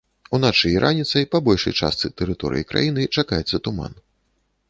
Уначы і раніцай па большай частцы тэрыторыі краіны чакаецца туман.